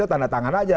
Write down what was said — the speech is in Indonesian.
tanda tangan aja